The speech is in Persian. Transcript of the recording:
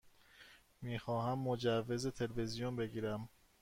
می خواهم مجوز تلویزیون بگیرم.